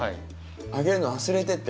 あげるの忘れてて。